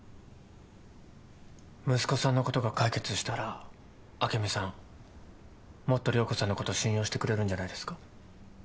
息子さんのことが解決したら朱美さんもっと涼子さんのこと信用してくれるんじゃないですか？